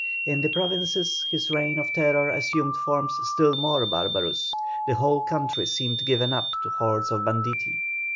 In the provinces his reign of terror assumed forms still more barbarous; the whole country seemed given up to hordes of banditti.